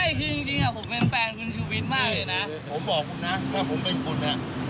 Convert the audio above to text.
ไม่คือจริงผมเป็นแฟนคุณชุวิตมากเลยนะ